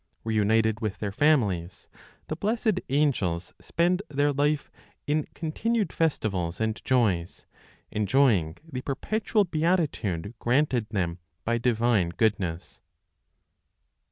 Reunited with their families, the blessed angels spend their life "in continued festivals and joys," enjoying the perpetual beatitude granted them by divine goodness.